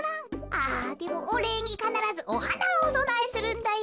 あでもおれいにかならずおはなをおそなえするんだよ。